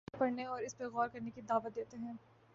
وہ اسے پڑھنے اور اس پر غور کرنے کی دعوت دیتے ہیں۔